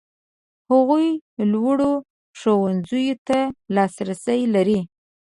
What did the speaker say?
هغوی لوړو ښوونځیو ته لاسرسی لري.